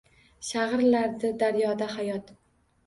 Shag’irlardi daryoda hayot…